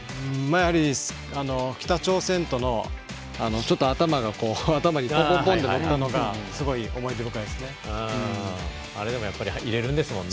やはり、北朝鮮とのちょっと頭にポンポンってのったのがすごい思い出深いですね。